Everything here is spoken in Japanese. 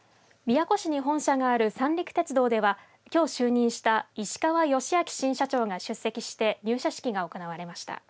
宮古市に本社がある三陸鉄道ではきょう就任した石川義晃新社長が出席して入社式が行われました。